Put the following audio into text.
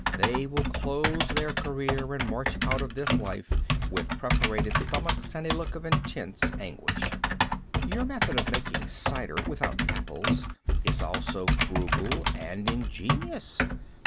They will close their career and march out of this life with perforated stomachs and a look of intense anguish. Your method of making cider without apples is also frugal and ingenious.